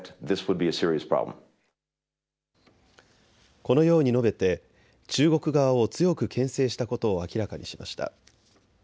このように述べて中国側を強くけん制したことを明らかにしました。